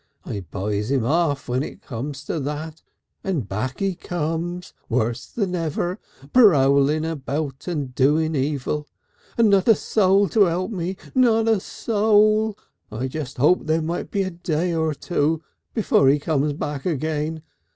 I buys him off when it comes to that, and back he comes, worse than ever, prowling round and doing evil. And not a soul to help me. Not a soul! I just hoped there might be a day or so. Before he comes back again.